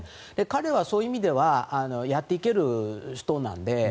彼はそういう意味ではやっていける人なので。